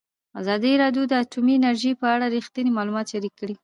ازادي راډیو د اټومي انرژي په اړه رښتیني معلومات شریک کړي.